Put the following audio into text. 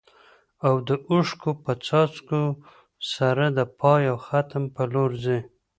او د اوښکو په څاڅکو سره د پای او ختم په لور ځي.